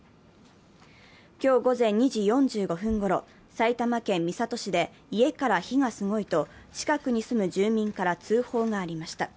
今日午前２時４５分ごろ、埼玉県三郷市で家から火がすごいと近くに住む住民から通報がありました。